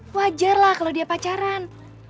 wajar lah kalau dia pacaran